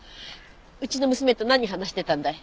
うちの娘と何話してたんだい？